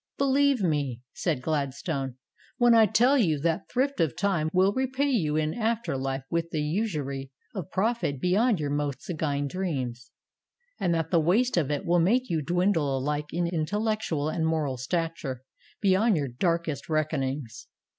"Believe me," said Gladstone, "when I tell you that thrift of time will repay you in after life with a usury of profit beyond your most sanguine dreams, and that the waste of it will make you dwindle alike in intellectual and moral stature, beyond your darkest reckonings."